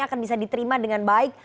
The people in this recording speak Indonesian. akan bisa diterima dengan baik